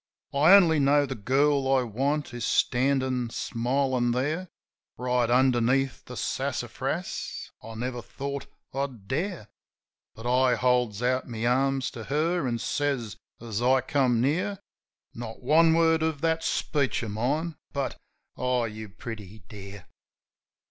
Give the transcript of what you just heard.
I only know the girl I want is standin' smilin' there Right underneath the sassafras. I never thought I'd dare, But I holds out my arms to her, an' says, as I come near — Not one word of that speech of mine — but, "Oh, you pretty dear